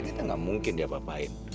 kita gak mungkin diapapain